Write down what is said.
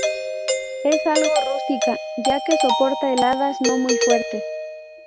Es algo rústica ya que soporta heladas no muy fuertes.